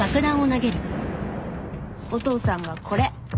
お父さんがこれ